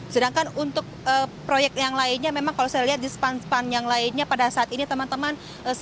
sedangkan untuk proyek yang lainnya memang kalau saya lihat di span span yang lainnya pada saat ini teman teman